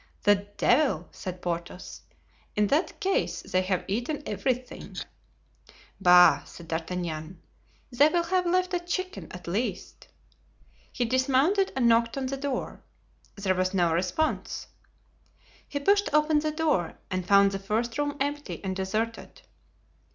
"The devil!" said Porthos; "in that case they have eaten everything." "Bah!" said D'Artagnan, "they will have left a chicken, at least." He dismounted and knocked on the door. There was no response. He pushed open the door and found the first room empty and deserted.